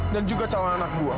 dan juga calon anak gue